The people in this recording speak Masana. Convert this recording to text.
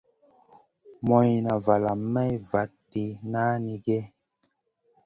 Morna valam Mey vanti nanigue.